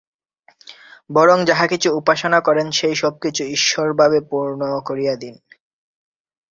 বরং যাহা কিছু উপাসনা করেন, সেই সব কিছু ঈশ্বরভাবে পূর্ণ করিয়া দিন।